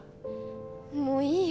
もういいよ。